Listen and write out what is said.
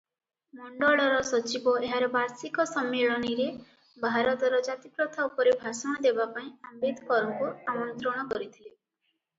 ମଣ୍ଡଳର ସଚିବ ଏହାର ବାର୍ଷିକ ସମ୍ମିଳନୀରେ ଭାରତର ଜାତିପ୍ରଥା ଉପରେ ଭାଷଣ ଦେବା ପାଇଁ ଆମ୍ବେଦକରଙ୍କୁ ଆମନ୍ତ୍ରଣ କରିଥିଲେ ।